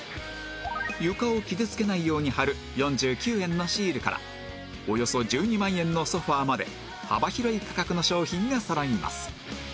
床を傷つけないように貼る４９円のシールからおよそ１２万円のソファまで幅広い価格の商品がそろいます